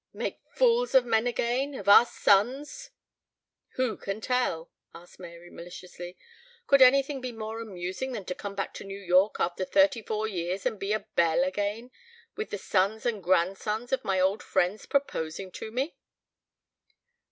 make fools of men again of our sons?" "Who can tell?" asked Mary maliciously. "Could anything be more amusing than to come back to New York after thirty four years and be a belle again, with the sons and grandsons of my old friends proposing to me?"